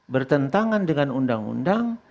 bertentangan dengan undang undang